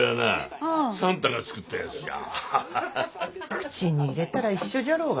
口に入れたら一緒じゃろうが。